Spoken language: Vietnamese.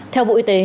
theo bộ y tế